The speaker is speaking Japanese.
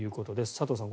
佐藤さん